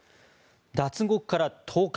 脱獄から１０日。